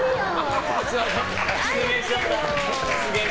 失言しちゃった。